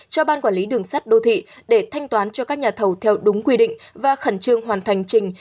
cho ban quản lý đường sắt đô thị để thanh toán cho các nhà thầu theo đúng quy định và khẩn trương hoàn thành trình